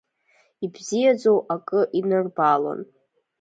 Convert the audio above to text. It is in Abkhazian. Ибзиаӡоу акы инырбаалон.